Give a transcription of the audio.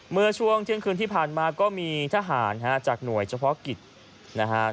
เมื่อช่วงเที่ยงคืนที่ผ่านมาก็มีทหารจากหน่วยเฉพาะกิจนะฮะ